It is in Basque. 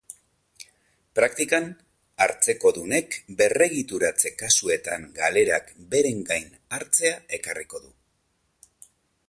Praktikan, hartzekodunek berregituratze kasuetan galerak beren gain hartzea ekarriko du.